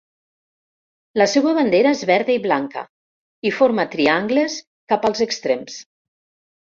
La seua bandera és verda i blanca, i forma triangles cap als extrems